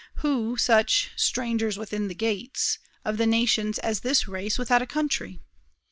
Who such "strangers within the gates" of the nations as this race without a country?